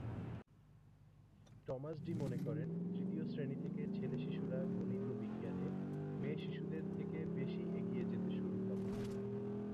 Thomas D মনে করেন, তৃতীয় শ্রেনী থেকে ছেলে শিশুরা গণিত ও বিজ্ঞানে মেয়ে শিশুদের থেকে বেশি এগিয়ে যেতে শুরু করে।